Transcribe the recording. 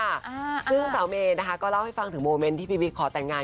ซึ่งสาวเมย์นะคะก็เล่าให้ฟังถึงโมเมนต์ที่พี่บิ๊กขอแต่งงาน